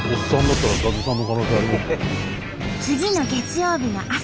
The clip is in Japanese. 次の月曜日の朝。